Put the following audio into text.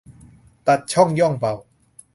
ตัดช่องย่องเบา